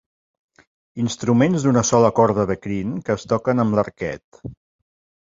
Instruments d'una sola corda de crin que es toquen amb l'arquet.